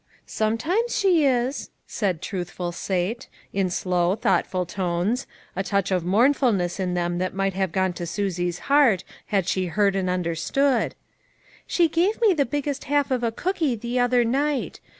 " Sometimes she is," said truthful Sate, in slow, thoughtful tones, a touch of motu nfulness in them that might have gone to Susie's heart had she heard and understood ;" she gave me the biggest half of a cookie the other night.